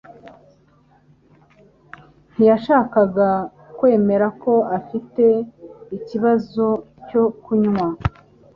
ntiyashakaga kwemera ko afite ikibazo cyo kunywa